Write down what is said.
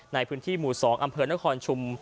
ในพื้นที่หมู่๒อำเพิร์นกรณ์นครชม